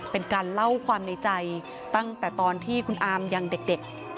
เป็นการเล่าความในใจตั้งแต่ตอนที่คุณอามยังเด็ก